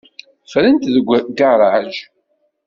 Ffrent deg ugaṛaj.